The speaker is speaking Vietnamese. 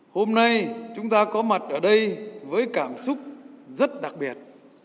hôm nay chúng ta có mặt ở đây với cảm xúc rất đặc biệt